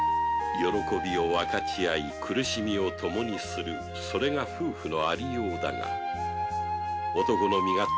喜びを分かちあい苦しみを共にするそれが夫婦のありようだが男の身勝手さが女を苦しめる